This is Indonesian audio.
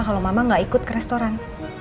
kalau mama gak ikut ke restoran